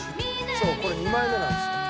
そうこれ２枚目なんですよ。